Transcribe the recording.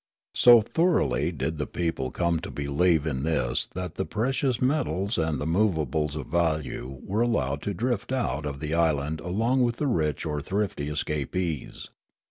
So thoroughly did the people come to believe in this that the precious metals and the movables of value were allowed to drift out of the island along with the rich or thrifty escapees.